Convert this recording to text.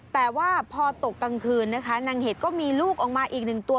แต่ว่าพอตกกลางคืนนะคะนางเห็ดก็มีลูกออกมาอีกหนึ่งตัว